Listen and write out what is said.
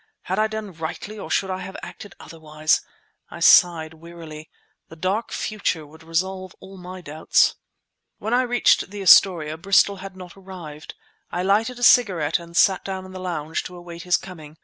Had I done rightly or should I have acted otherwise? I sighed wearily. The dark future would resolve all my doubts. When I reached the Astoria, Bristol had not arrived. I lighted a cigarette and sat down in the lounge to await his coming.